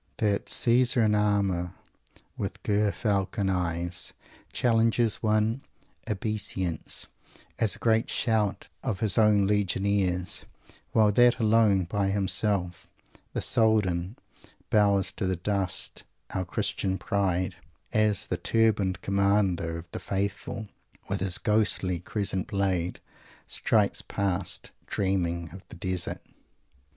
That "Caesar, in armour, with Ger Falcon eyes," challenges one's obeisance as a great shout of his own legionaries, while that "Alone, by himself, the Soldan" bows to the dust our Christian pride, as the Turbaned Commander of the Faithful, with his ghostly crescent blade, strides past, dreaming of the Desert.